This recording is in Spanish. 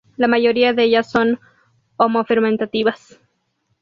La mayoría de ellas son homo-fermentativas.